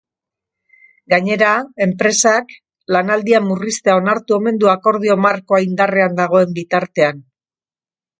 Gainera, enpresak lanaldia murriztea onartu omen du akordio markoa indarrean dagoen bitartean.